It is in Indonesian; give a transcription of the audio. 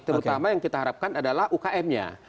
terutama yang kita harapkan adalah ukm nya